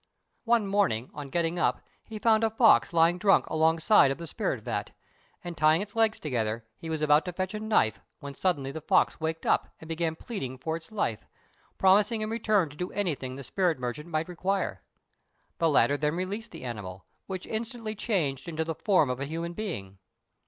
One morning, on getting up, he found a fox lying drunk alongside of the spirit vat; and tying its legs together, he was about to fetch a knife, when suddenly the fox waked up, and began pleading for its life, promising in return to do anything the spirit merchant might require. The latter then released the animal, which instantly changed into the form of a human being.